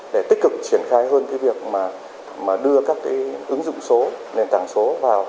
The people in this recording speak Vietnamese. để tích cực triển khai hơn việc đưa các ứng dụng số nền tảng số vào